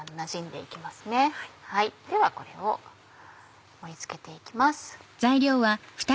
ではこれを盛り付けて行きます。